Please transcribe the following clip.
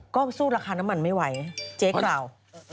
ก็สู้ราคาน้ำมันไม่ไหวเจ๊กเรา